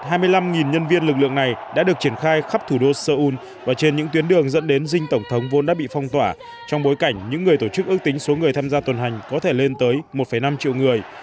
hơn hai mươi năm nhân viên lực lượng này đã được triển khai khắp thủ đô seoul và trên những tuyến đường dẫn đến dinh tổng thống vốn đã bị phong tỏa trong bối cảnh những người tổ chức ước tính số người tham gia tuần hành có thể lên tới một năm triệu người